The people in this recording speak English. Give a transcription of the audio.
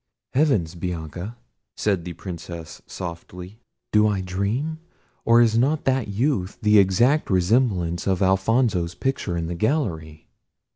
"Heavens! Bianca," said the Princess softly, "do I dream? or is not that youth the exact resemblance of Alfonso's picture in the gallery?"